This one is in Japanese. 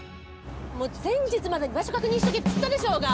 もう前日までに場所確認しとけっつったでしょうが！